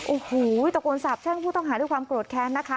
โอ้โหตะโกนสาบแช่งผู้ต้องหาด้วยความโกรธแค้นนะคะ